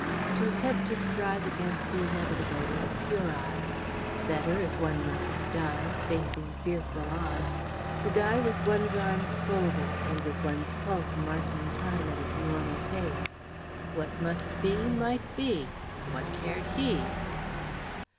To attempt to strive against the inevitable was puerile. Better, if one must die, "facing fearful odds," to die with one's arms folded, and with one's pulse marking time at its normal pace. What must be, might be; what cared he?